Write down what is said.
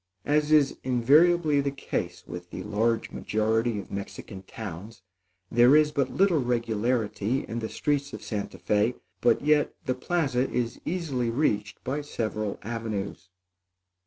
As is invariably the case with the large majority of Mexican towns, there is but little regularity in the streets of Santa Fé; but yet, the plaza is easily reached by several avenues.